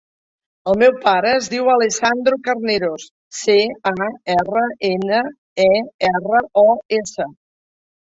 El meu pare es diu Alessandro Carneros: ce, a, erra, ena, e, erra, o, essa.